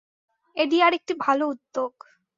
ADR একটি ভালো উদ্যোগ।